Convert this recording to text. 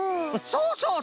そうそうそう。